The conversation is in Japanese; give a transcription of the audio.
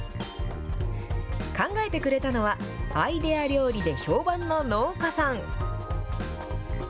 考えてくれたのは、アイデア料理で評判の農家さん。